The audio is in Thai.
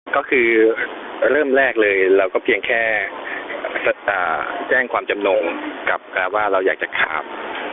ก็คือเริ่มแรกเลยเราก็เพียงแค่แจ้งความจำนงกับการว่าเราอยากจะถาม